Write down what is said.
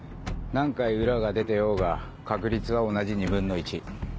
何回裏が出てようが確率は同じ２分の１。